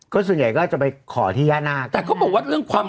ก็ส่วนใหญ่ก็จะไปขอที่ย่านาคแต่เขาบอกว่าเรื่องความ